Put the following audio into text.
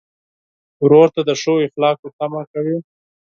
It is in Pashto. ورور ته د ښو اخلاقو تمه کوې.